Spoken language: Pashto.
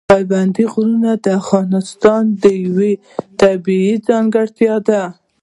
پابندی غرونه د افغانستان یوه طبیعي ځانګړتیا ده.